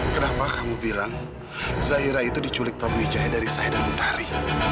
kenapa kamu bilang zaira itu diculik prabu wijaya dari saya dan itari